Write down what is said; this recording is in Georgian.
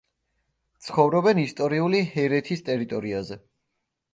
ცხოვრობენ ისტორიული ჰერეთის ტერიტორიაზე.